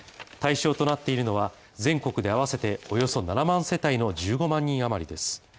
対象となっているのは全国で合わせておよそ７万世帯の１５万人余りです。